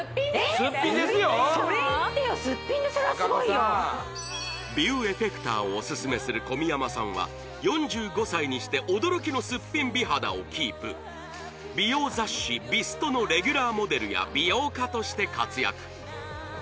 スッピンでそれはすごいよビューエフェクターをオススメする小宮山さんは４５歳にして驚きのスッピン美肌をキープ美容雑誌「美ＳＴ」のレギュラーモデルや美容家として活躍